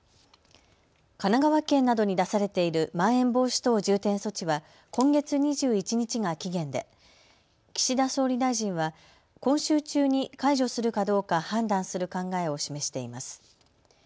神奈川県などに出されているまん延防止等重点措置は今月２１日が期限で岸田総理大臣は今週中に解除するかどうか判断する考えを示しています。